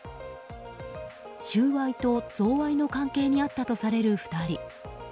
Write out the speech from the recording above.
収賄と贈賄の関係にあったとされる２人。